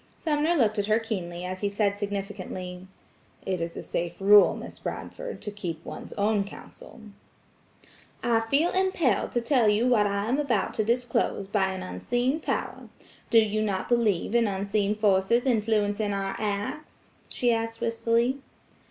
Sumner looked at her keenly as he said significantly: "It is a safe rule, Miss Bradford, to keep one's own counsel." "I feel impelled to tell you what I am about to disclose, by an unseen power. Do you not believe in unseen forces influencing our acts?" she asked wistfully.